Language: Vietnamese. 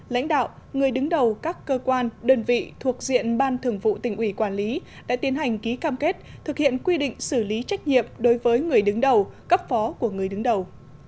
lãnh đạo người đứng đầu các cơ quan đơn vị thuộc diện ban thường vụ tỉnh ủy quản lý đã tiến hành ký cam kết thực hiện quy định xử lý trách nhiệm đối với người đứng đầu cấp phó của người đứng đầu